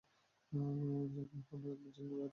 জগমোহন বুঝিলেন ব্যাপারটা কী।